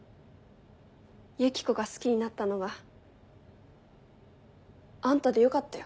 ユキコが好きになったのがあんたでよかったよ。